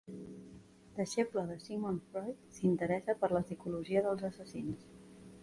Deixeble de Sigmund Freud, s'interessa per la psicologia dels assassins.